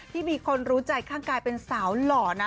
ที่มีคนรู้ใจข้างกายเป็นสาวหล่อนะ